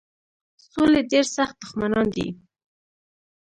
سولي ډېر سخت دښمنان دي.